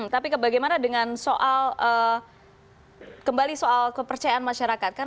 tapi bagaimana dengan soal kepercayaan masyarakat